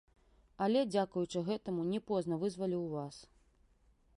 Але дзякуючы гэтаму не позна вызваліў вас.